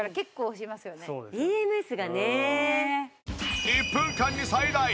ＥＭＳがね。